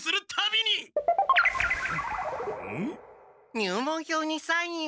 入門票にサインを。